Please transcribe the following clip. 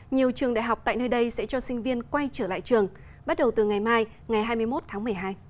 nhiều trường đại học tại nơi đây sẽ cho sinh viên quay trở lại trường bắt đầu từ ngày mai ngày hai mươi một tháng một mươi hai